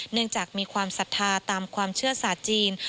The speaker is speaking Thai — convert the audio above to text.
เนื่องจากมีความศรัทธาตามความเชื่อศาสตร์จีน